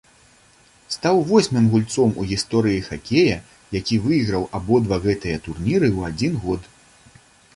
Стаў восьмым гульцом у гісторыі хакея, які выйграў абодва гэтыя турніры ў адзін год.